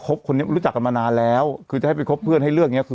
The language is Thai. จะครบคนนี้รู้จักกันมานานแล้วคือจะให้ไปครบเพื่อนให้เลือกอย่างเงี้ย